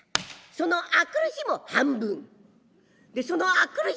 でその明くる日も半分。